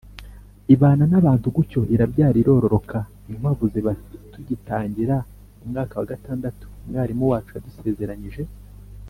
ibana n’abantu gutyo, irabyara, irororoka. Inkwavu ziba Tugitangira umwaka wa gatandatu, umwarimu wacu yadusezeranyije